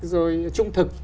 rồi trung thực